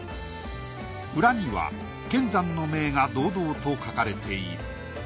裏には乾山の名が堂々と書かれている。